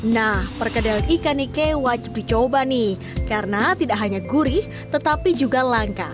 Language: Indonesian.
nah perkedel ikan ike wajib dicoba nih karena tidak hanya gurih tetapi juga langka